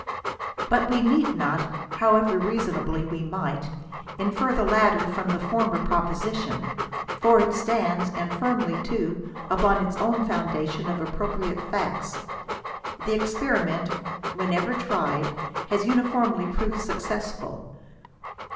But we need not — however reasonably we might — infer the latter from the former proposition, for it stands, and firmly too, upon its own foundation of appropriate facts. The experiment whenever tried, has uniformly proved successful.